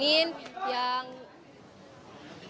syukuri segini kita kelas proses dan asyat